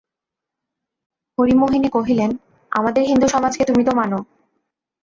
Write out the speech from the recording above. হরিমোহিনী কহিলেন, আমাদের হিন্দুসমাজকে তুমি তো মান?